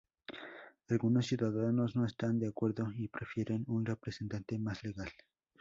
Algunos ciudadanos no están de acuerdo, y prefieren un representante más legal.